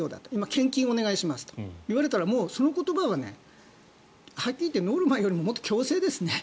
献金をお願いしますと言われたらその言葉ははっきり言ってノルマよりも強制ですね。